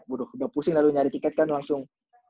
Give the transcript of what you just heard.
udah pusing lalu nyari tiket kan langsung